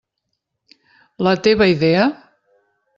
La teva idea?